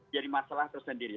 jadi masalah tersendiri